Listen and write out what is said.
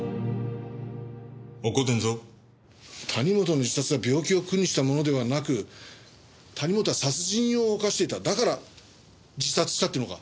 谷本の自殺は病気を苦にしたものではなく谷本は殺人を犯していただから自殺したっていうのか？